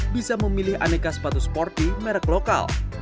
bisa memilih aneka sepatu sporty merek lokal